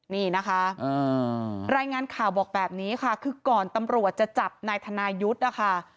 นี่นะคะรายงานข่าวบอกแบบนี้ค่ะคือก่อนตำรวจจะจับนายธนายุทธ์นะคะ